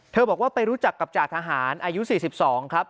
บอกว่าไปรู้จักกับจ่าทหารอายุ๔๒ครับ